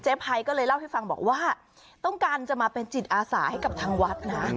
ภัยก็เลยเล่าให้ฟังบอกว่าต้องการจะมาเป็นจิตอาสาให้กับทางวัดนะ